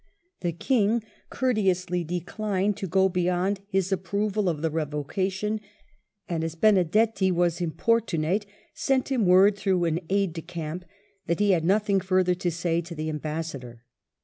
The King courteously declined to go beyond his approval of the revocation, and as Benedetti was importunate sent him word through an aide de camp that he had nothing further to say to the Ambassador.